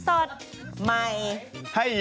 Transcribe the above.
ผมมีความเต็มที่มากทีเดียว